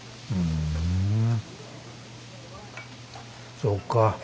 そうか。